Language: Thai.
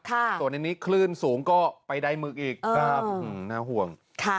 ส่วนในนี้คลื่นสูงก็ไปใดหมึกอีกน่าห่วง